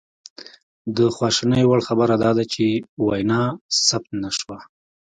د خواشینۍ وړ خبره دا ده چې وینا ثبت نه شوه